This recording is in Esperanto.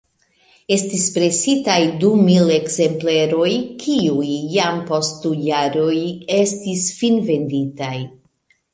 Estis presitaj dumil ekzempleroj, kiuj jam post du jaroj estis finvenditaj.